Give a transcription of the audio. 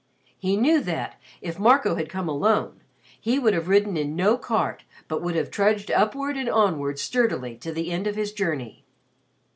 He knew that, if Marco had come alone, he would have ridden in no cart but would have trudged upward and onward sturdily to the end of his journey.